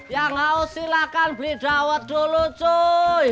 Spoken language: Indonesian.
yang mau silahkan beli sedawat dulu cuy